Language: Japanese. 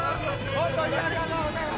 本当、ありがとうございます。